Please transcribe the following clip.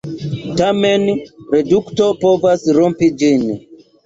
Tamen, redukto povas rompi ĝin.